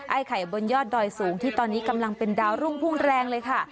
ไข่บนยอดดอยสูงที่ตอนนี้กำลังเป็นดาวรุ่งพุ่งแรงเลยค่ะ